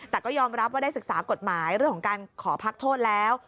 แต่ก็ยอมรับว่าได้ศึกษากฎหมายเรื่องของการขอพักโทษแล้ว